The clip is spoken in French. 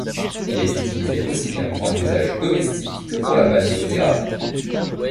Il est utilisé aussi bien pour un usage domestique que pour la balnéothérapie.